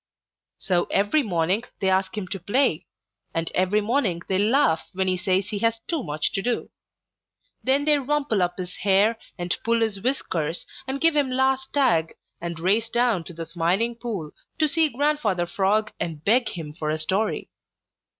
So every morning they ask him to play, and every morning they laugh when he says he has too much to do. Then they rumple up his hair and pull his whiskers and give him last tag and race down to the Smiling Pool to see Grandfather Frog and beg him for a story.